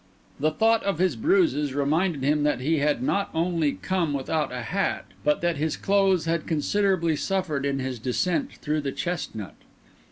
The thought of his bruises reminded him that he had not only come without a hat, but that his clothes had considerably suffered in his descent through the chestnut.